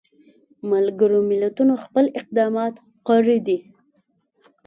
ملګرو ملتونو خپل اقدامات کړي دي.